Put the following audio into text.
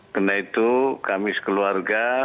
karena itu kami sekeluarga